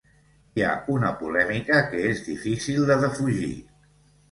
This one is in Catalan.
I hi ha una polèmica que és difícil de defugir.